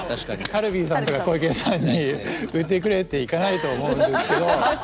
カルビーさんとか湖池屋さんに売ってくれって行かないと思うんですけど。